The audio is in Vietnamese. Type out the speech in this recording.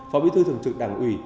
phó bí thư thường trực đảng ủy